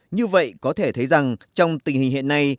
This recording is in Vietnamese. như vậy có thể thấy rằng trong tình hình hiện nay